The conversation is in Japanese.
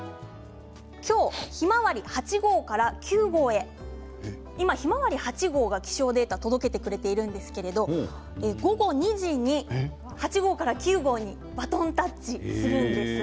今日ひまわり８号から９号へ今、ひまわり８号が気象データを届けてくれているんですけれども午後２時に８号から９号にバトンタッチするんです。